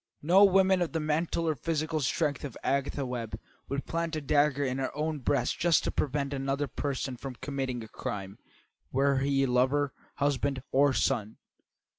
No woman of the mental or physical strength of Agatha Webb would plant a dagger in her own breast just to prevent another person from committing a crime, were he lover, husband, or son.